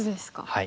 はい。